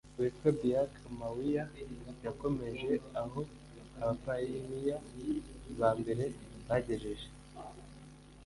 witwa Biak Mawia yakomereje aho abapayiniya ba mbere bagejeje